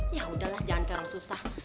ya udahlah jangan ke orang susah